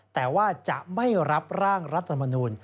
แต่ว่าจะไม่รับร่างรัฐมนูล